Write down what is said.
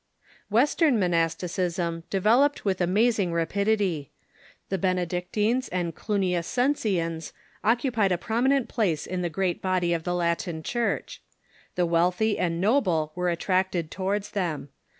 Western monasticism developed with amazing rapidity. The Benedictines and Cluniacensians occupied a prominent place in the great body of the Latin Church. The wealthy and noble were attracted towards them.